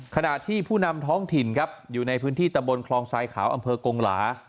ขณะที่ผู้นำท้องถิ่นครับอยู่ในพื้นที่ตำบลคลองทรายขาวอำเภอกงหลา